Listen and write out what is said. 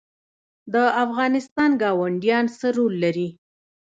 د افغانستان ګاونډیان څه رول لري؟